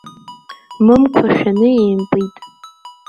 Мымқәа шәаны еимпит.